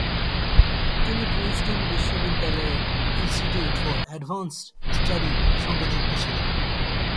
তিনি প্রিন্সটন বিশ্ববিদ্যালয়ের institute for advanced স্টাডির সঙ্গে যুক্ত ছিলেন।